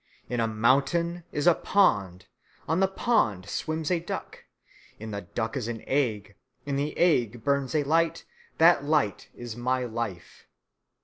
In a mountain is a pond, on the pond swims a duck, in the duck is an egg, in the egg burns a light, that light is my life.